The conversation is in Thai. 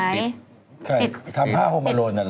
ใช่ทำผ้าโฮมาโลนอ่ะเหรอ